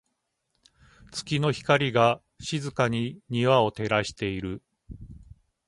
月の光が、静かに庭を照らしている。